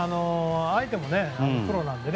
相手もプロなのでね。